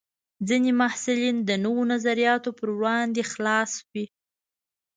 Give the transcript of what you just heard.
ځینې محصلین د نوو نظریاتو پر وړاندې خلاص وي.